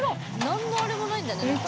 何のあれもないんだねなんか。